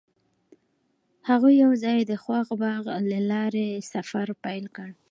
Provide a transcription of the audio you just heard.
هغوی یوځای د خوښ باغ له لارې سفر پیل کړ.